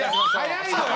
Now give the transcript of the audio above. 早いのよ！